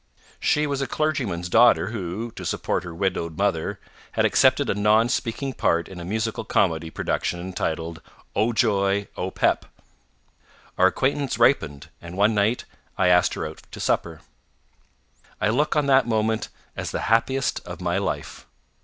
She was a clergyman's daughter who, to support her widowed mother, had accepted a non speaking part in a musical comedy production entitled "Oh Joy! Oh Pep!" Our acquaintance ripened, and one night I asked her out to supper. I look on that moment as the happiest of my life.